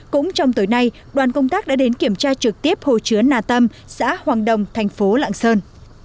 cũng trong tối nay đoàn công tác đã đến kiểm tra trực tiếp hồ chứa nà tâm xã hoàng đồng thành phố lạng sơn